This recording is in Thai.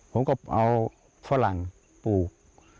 ผมก็เอาฝรั่งปลูก